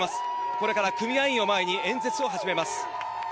これから組合員を前に演説を始めます。